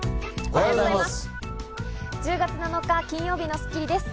おはようございます。